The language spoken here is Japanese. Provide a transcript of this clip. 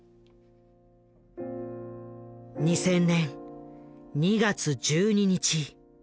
２０００年２月１２日。